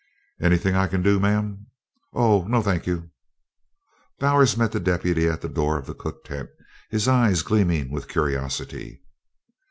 "Anything I can do, ma'am?" "Oh, no, thank you." Bowers met the deputy at the door of the cook tent, his eyes gleaming with curiosity.